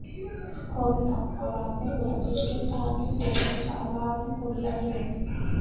হত্যাপরাধে magistrate তাহাকে সেসনে চালান করিয়া দিলেন।